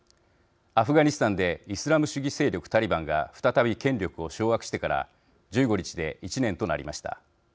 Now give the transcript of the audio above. アフガニスタンでイスラム主義勢力タリバンが再び権力を掌握してから１５日で１年となりました。